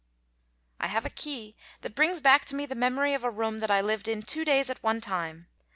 I have a key that brings back to me the memory of a room that I lived in two days at one time.